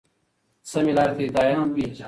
سمي لاري ته هدايت كړي،